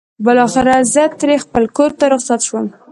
بالاخره زه ترې خپل کور ته رخصت شوم.